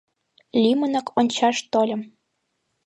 Лӱмынак ончаш тольым.